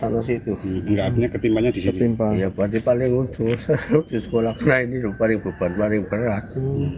nah ini lupa ribuan paling berat